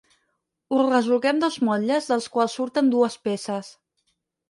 Ho resolgué amb dos motlles dels quals surten dues peces.